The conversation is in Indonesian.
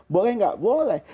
boleh gak boleh